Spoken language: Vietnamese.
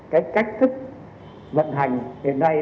cái cách thức vận hành hiện nay